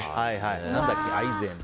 何だっけ、アイゼン。